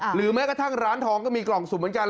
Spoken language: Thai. หรือแม้กระทั่งร้านทองก็มีกล่องสุ่มเหมือนกัน